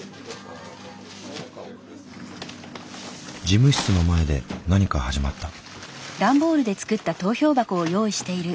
事務室の前で何か始まった。